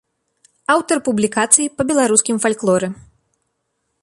Аўтар публікацый па беларускім фальклоры.